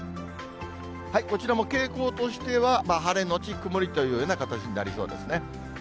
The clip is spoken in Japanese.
こちらも傾向としては、晴れ後曇りというような形になりそうですね。